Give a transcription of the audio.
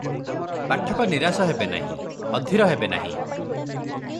ପାଠକ ନିରାଶ ହେବେ ନାହିଁ, ଅଧିର ହେବେ ନାହିଁ ।